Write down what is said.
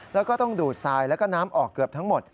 แล้วก็ต้องดูดทรายแล้วก็น้ำออกเกือบทั้งหมด